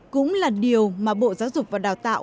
cũng là điều mà bộ giáo dục và đào tạo